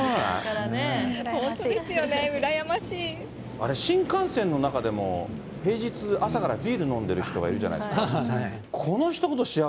あれ、新幹線の中でも平日、朝からビール飲んでる人がいるじゃないですか。